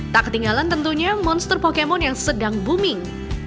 tak ketinggalan tentunya monster pokemon yang sedang booming